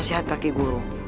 nasihat kakek guru